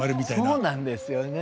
そうなんですよね。